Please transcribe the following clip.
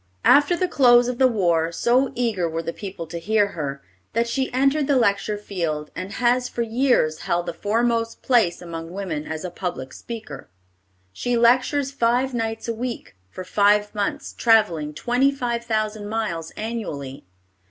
After the close of the war, so eager were the people to hear her, that she entered the lecture field and has for years held the foremost place among women as a public speaker. She lectures five nights a week, for five months, travelling twenty five thousand miles annually.